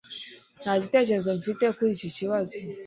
Nta gitekerezo mfite kuri iki kibazo